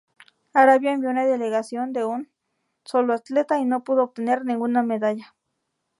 Arabia envió una delegación de un solo atleta, y no pudo obtener ninguna medalla.